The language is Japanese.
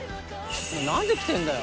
「何で来てんだよ？」